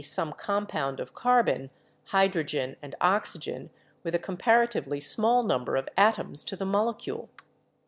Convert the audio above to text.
some compound of carbon, hydrogen and oxygen, with a comparatively small number of atoms to the molecule.